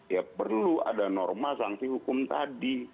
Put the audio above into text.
ya perlu ada norma sanksi hukum tadi